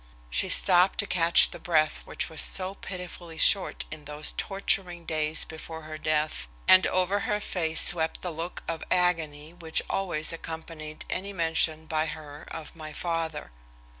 She stopped to catch the breath which was so pitifully short in those torturing days before her death, and over her face swept the look of agony which always accompanied any mention by her of my father.